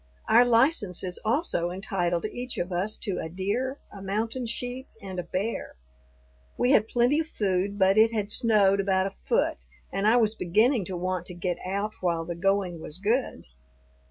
Our licenses also entitled each of us to a deer, a mountain sheep, and a bear. We had plenty of food, but it had snowed about a foot and I was beginning to want to get out while the going was good.